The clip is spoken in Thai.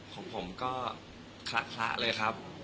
ของผมก็คละเลยครับ